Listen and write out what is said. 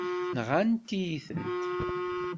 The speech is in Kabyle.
Nɣant-iyi-tent.